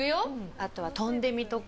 あとはトンデミとか。